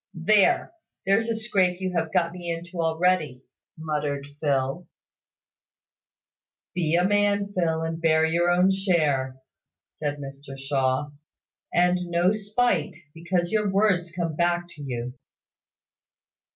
"There! There's a scrape you have got me into already!" muttered Phil. "Be a man, Phil, and bear your own share," said Mr Shaw; "and no spite, because your words come back to you!"